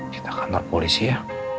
kita kantor polisi ya